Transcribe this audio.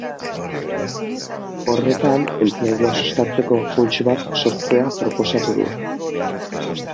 Horretan, enplegua sustatzeko funts bat sortzea proposatu du.